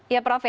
ya prof ya